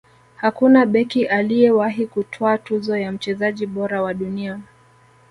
hakuna beki aliyewahi kutwaa tuzo ya mchezaji bora wa dunia